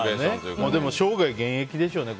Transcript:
でも生涯現役でしょうね。